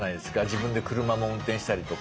自分で車も運転したりとか。